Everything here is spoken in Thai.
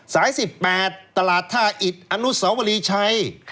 สาย๑๘ตลาดท่าอิดอนุสวรีชัย